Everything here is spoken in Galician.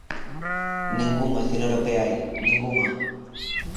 Ningunha, señora Peai, ningunha.